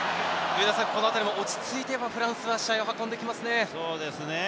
このあたりも落ち着いてフランスは試合を運んできますね。